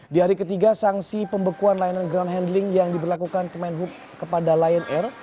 di hari ketiga sanksi pembekuan layanan ground handling yang diberlakukan kemenhub kepada lion air